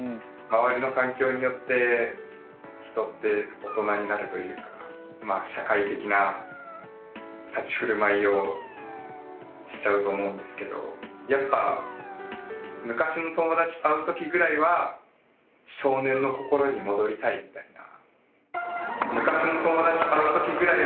周りの環境によって人って大人になるというか社会的な立ち居振る舞いをしちゃうと思うんですけどやっぱ昔の友達と会うときぐらいは少年の心に戻りたいみたいな。